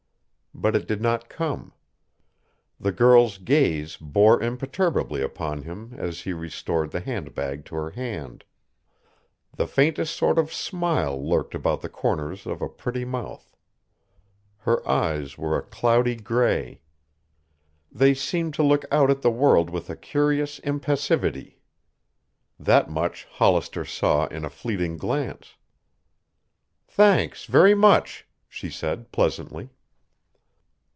But it did not come. The girl's gaze bore imperturbably upon him as he restored the hand bag to her hand. The faintest sort of smile lurked about the corners of a pretty mouth. Her eyes were a cloudy gray. They seemed to look out at the world with a curious impassivity. That much Hollister saw in a fleeting glance. "Thanks, very much," she said pleasantly.